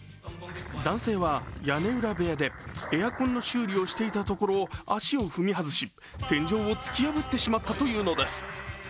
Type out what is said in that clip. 男性は屋根裏部屋でエアコンの修理をしていたところ足を踏み外し天井を突き破ってしまったというのです。